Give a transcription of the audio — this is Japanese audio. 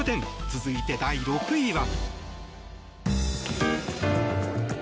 続いて、第６位は。